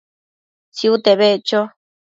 Tsiute beccho